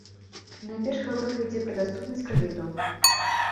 Найперш гаворка ідзе пра даступнасць крэдытаў.